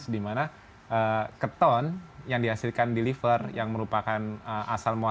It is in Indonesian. di mana keton yang dihasilkan deliver yang merupakan asal muasal